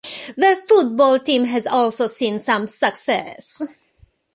The football team has also seen some success.